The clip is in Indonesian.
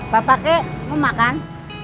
bapak kek mau makan